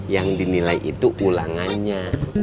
yang dinilai itu ulangannya